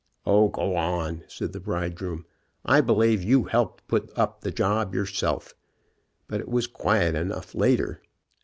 "O, go on," said the bridegroom, "I believe you helped put up the job yourself. But it was quiet enough later.